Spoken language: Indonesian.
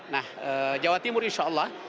nah jawa timur insya allah